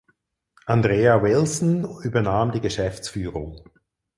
Andrea Willson übernahm die Geschäftsführung.